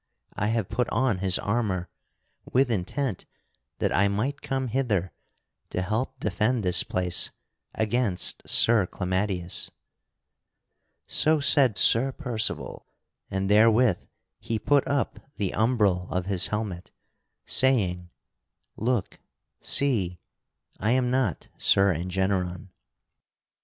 I have put on his armor with intent that I might come hither to help defend this place against Sir Clamadius." So said Sir Percival, and therewith he put up the umbril of his helmet, saying: "Look, see; I am not Sir Engeneron."